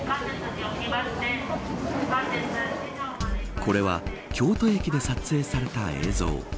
これは京都駅で撮影された映像。